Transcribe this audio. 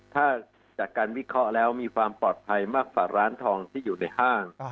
ถ้าจากการวิเคราะห์แล้วมีความปลอดภัยมากกว่าร้านทองที่อยู่ในห้าง